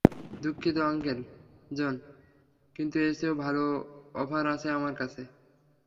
দুঃখিত uncle John, কিন্তু এর চেয়েও ভালো অফার আছে আমার কাছে!